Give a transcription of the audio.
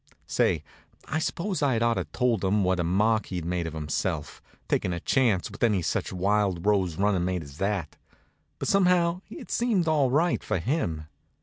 Say, I s'pose I'd ought to told him what a mark he'd made of himself, takin' a chance with any such wild rose runnin' mate as that; but somehow it seemed all right, for him.